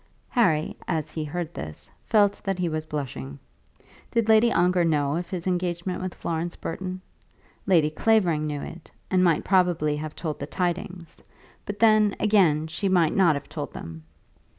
Harry, as he heard this, felt that he was blushing. Did Lady Ongar know of his engagement with Florence Burton? Lady Clavering knew it, and might probably have told the tidings; but then, again, she might not have told them.